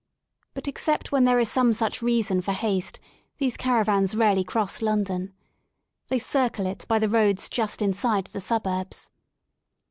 But except when there is some such reason for haste, these caravans rarely cross London. They circle it by the roads just inside the suburbs.